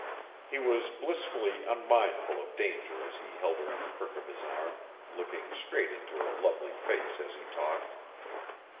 He was blissfully unmindful of danger as he held her in the crook of his arm, looking straight into her lovely face as he talked.